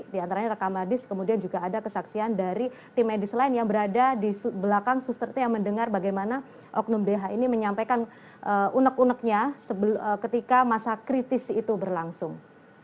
di antaranya rekamadis kemudian juga ada kesaksian dari tim medis lain yang berada di belakang suster t yang mendengar bagaimana oknum dh ini menyampaikan unek uneknya ketika masa kritis itu berlangsung